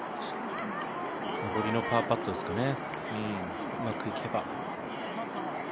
上りのパーパットですかね。